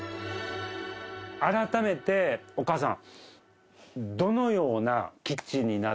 改めてお母さん。